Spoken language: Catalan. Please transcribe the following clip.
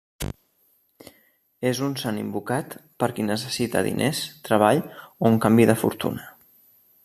És un sant invocat per qui necessita diners, treball o un canvi de fortuna.